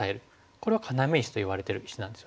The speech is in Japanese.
これは要石といわれてる石なんですね。